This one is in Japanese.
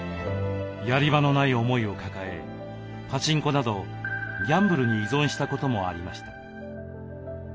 やり場のない思いを抱えパチンコなどギャンブルに依存したこともありました。